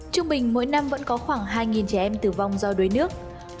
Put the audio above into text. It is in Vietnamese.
trung bình mỗi năm vẫn có khoảng hai trẻ em tử vong do đuối nước